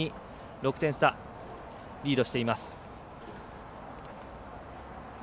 ６点差、リードしています。